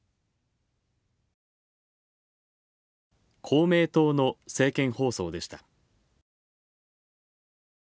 公明党の政見放送でした。